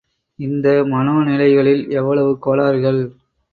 இந்த மனோ நிலைகளில் எவ்வளவு கோளாறுகள்!